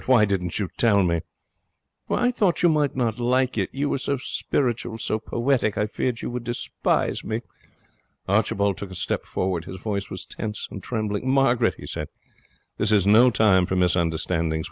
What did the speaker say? Why didn't you tell me?' 'I thought you might not like it. You were so spiritual, so poetic. I feared you would despise me.' Archibald took a step forward. His voice was tense and trembling. 'Margaret,' he said, 'this is no time for misunderstandings.